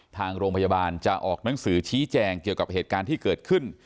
ทางโรงพยาบาลจะออกหนังสือชี้แจงเกี่ยวกับเหตุการณ์ที่เกิดขึ้น